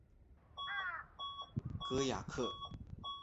戈雅克。